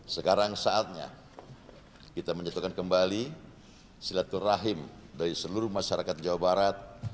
sekarang saatnya kita menjatuhkan kembali silaturahim dari seluruh masyarakat jawa barat